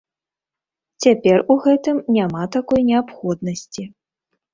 Цяпер у гэтым няма такой неабходнасці.